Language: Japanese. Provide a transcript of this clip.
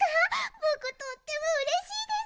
ぼくとってもうれしいです！